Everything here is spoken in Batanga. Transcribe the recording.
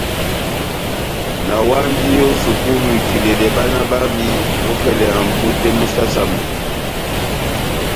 Nawandi ó sukulu itiledɛ bána bámi ópɛlɛ mʼbú tɛ́h mú saha-saha.